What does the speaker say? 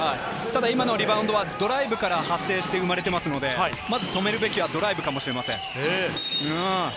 今のはドライブから派生して生まれていますので、まずは止めるべきはドライブかもしれませんね。